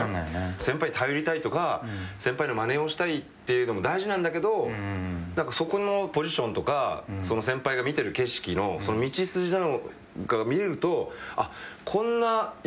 先輩に頼りたいとか先輩のまねしたいっていうのも大事なんだけど何かそこのポジションとかその先輩が見てる景色のその道筋なんかが見えるとあっこんな夢もある。